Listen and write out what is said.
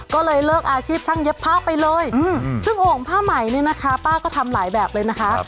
ก็เลยเลิกอาชีพช่างเย็บผ้าไปเลยซึ่งโอ่งผ้าใหม่เนี่ยนะคะป้าก็ทำหลายแบบเลยนะคะ